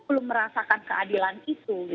belum merasakan keadilan itu